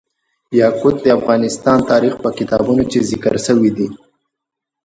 یاقوت د افغان تاریخ په کتابونو کې ذکر شوی دي.